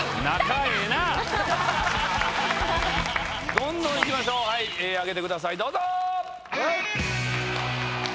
どんどん行きましょう挙げてくださいどうぞ！